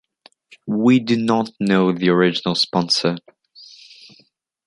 We do not know the original sponsor.